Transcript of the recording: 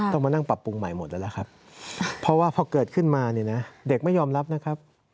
ต้องมานั่งปรับปรุงใหม่หมดแล้วล่ะครับเพราะว่าพอเกิดขึ้นมาเนี่ยนะเด็กไม่ยอมรับนะครับ